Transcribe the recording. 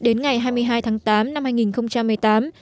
đến ngày hai mươi hai tháng tám năm hai nghìn một mươi tám